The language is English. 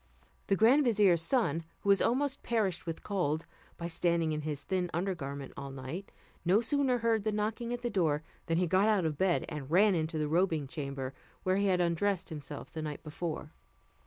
The grand vizier's son, who was almost perished with cold, by standing in his thin under garment all night, no sooner heard the knocking at the door than he got out of bed, and ran into the robing chamber, where he had undressed himself the night before.